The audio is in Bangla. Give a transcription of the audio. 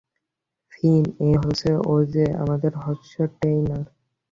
ফিন, এ হচ্ছে ওজে - আমাদের হর্স ট্রেইনার।